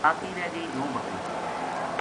باقی رہ گئی نوبکری